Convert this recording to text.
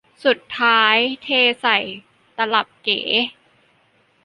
สุดท้ายเทใส่ตลับเก๋